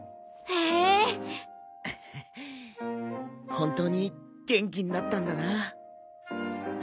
本当に元気になったんだなハル。